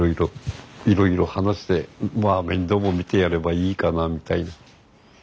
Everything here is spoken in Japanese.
いろいろ話して面倒も見てやればいいかなみたいな。